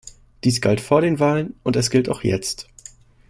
Dies galt vor den Wahlen und es gilt auch jetzt.